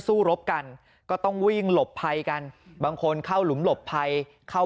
สู้รบกันก็ต้องวิ่งหลบภัยกันบางคนเข้าหลุมหลบภัยเข้า